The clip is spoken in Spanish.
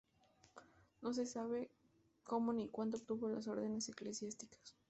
No se sabe cómo ni cuándo obtuvo las órdenes eclesiásticas.